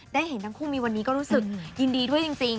ได้เห็นทั้งคู่มีวันนี้ก็รู้สึกยินดีด้วยจริง